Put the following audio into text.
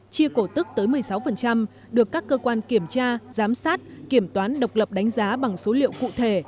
chia cổ tức tới một mươi sáu được các cơ quan kiểm tra giám sát kiểm toán độc lập đánh giá bằng số liệu cụ thể